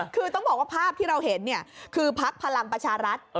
คือต้องบอกว่าภาพที่เราเห็นคือพักพลังประชารัฐ